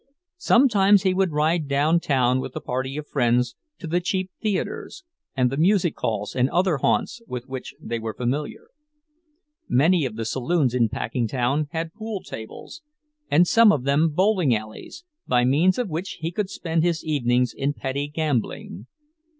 Sometimes he would ride down town with a party of friends to the cheap theaters and the music halls and other haunts with which they were familiar. Many of the saloons in Packingtown had pool tables, and some of them bowling alleys, by means of which he could spend his evenings in petty gambling.